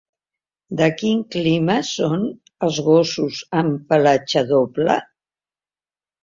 De quin clima són els gossos amb pelatge doble?